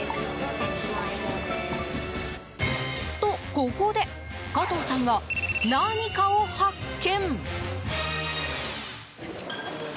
と、ここで加藤さんが何かを発見。